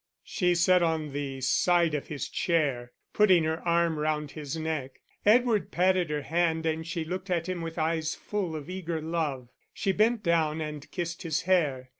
She sat on the side of his chair, putting her arm round his neck. Edward patted her hand and she looked at him with eyes full of eager love, she bent down and kissed his hair.